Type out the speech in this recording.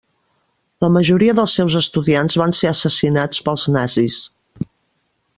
La majoria dels seus estudiants van ser assassinats pels nazis.